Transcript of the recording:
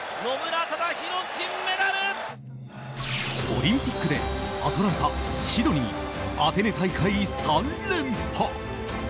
オリンピックでアトランタ、シドニー、アテネ大会３連覇！